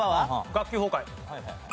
学級崩壊。